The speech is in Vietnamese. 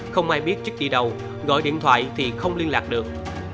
không ai biết trúc đi đâu gọi điện thoại thì không liên lạc được